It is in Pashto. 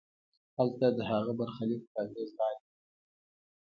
هلته د هغه برخلیک تر اغېز لاندې وي.